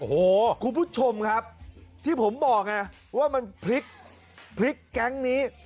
โอ้โหคุณผู้ชมครับที่ผมบอกไงว่ามันพลิกพลิกแก๊งนี้